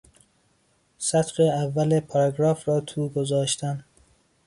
سطر اول پاراگراف را تو گذاشتن